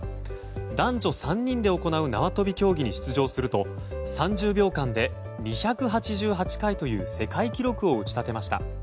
男女３人で行う縄跳び競技に出場すると３０秒間で２８８回という世界記録を打ち立てました。